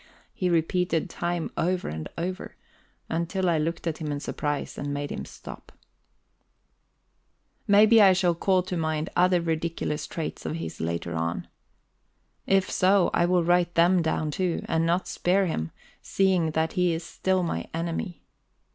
he repeated time over and over, until I looked at him in surprise and made him stop. Maybe I shall call to mind other ridiculous traits of his later on. If so, I will write them down too, and not spare him, seeing that he is still my enemy.